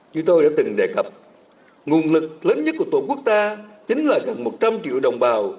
như tôi đã từng đề cập nguồn lực lớn nhất của tổ quốc ta chính là gần một trăm linh triệu đồng bào